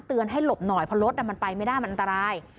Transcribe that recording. ให้หลบหน่อยเพราะรถมันไปไม่ได้มันอันตราย